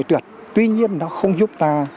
trượt tuy nhiên nó không giúp ta